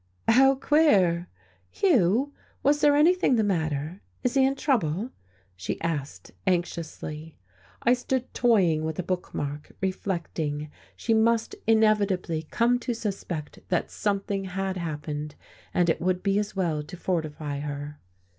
"How queer! Hugh, was there anything the matter? Is he in trouble?" she asked anxiously. I stood toying with a book mark, reflecting. She must inevitably come to suspect that something had happened, and it would be as well to fortify her.